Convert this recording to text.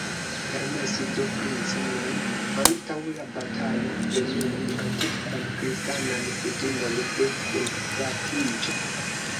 Permesu do, princo, nun, antaŭ la batalo, plenumi antikvan kristanan kutimon de kunfratiĝo!